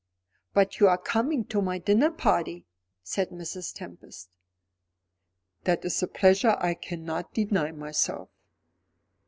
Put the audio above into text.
"But you are coming to my dinner party?" said Mrs. Tempest. "That is a pleasure I cannot deny myself."